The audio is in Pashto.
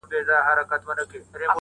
د زلمیو پاڅېدلو په اوږو کي!.